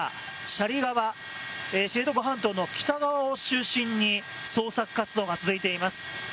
斜里側、知床半島の北側を中心に捜索活動が続いています。